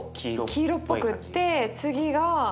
黄色っぽくって次が。